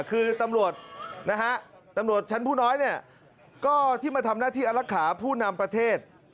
คือตำรวจชั้นผู้น้อยก็ที่มาทำหน้าที่อลักขาผู้นำประเทศ